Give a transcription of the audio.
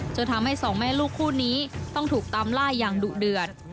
จนทำให้สองแม่ลูกคู่นี้ต้องถูกตามล่าอย่างดุเดือด